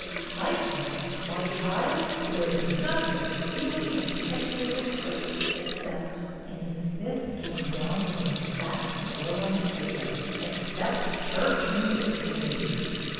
"Excitin'! My child, there is nothin' as steelthy and tetchy as a crick, except —" and his fist came down with an emphatic blow on the table "— except church music committees."